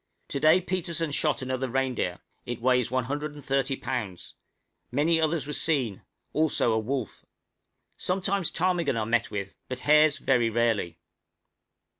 To day Petersen shot another reindeer; it weighs 130 lbs.; many others were seen, also a wolf. Sometimes a few ptarmigan are met with, but hares very rarely.